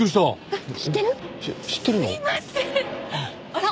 あら？